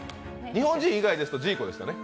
日本人以外ですとジーコでしたね。